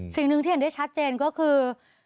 สิ่งหนึ่งที่เห็นได้ชัดเจนก็คือ